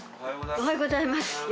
おはようございます。